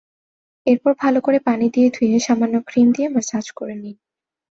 এরপর ভালো করে পানি দিয়ে ধুয়ে সামান্য ক্রিম দিয়ে ম্যাসাজ করে নিন।